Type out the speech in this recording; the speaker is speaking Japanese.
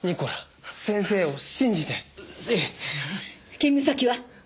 勤務先は？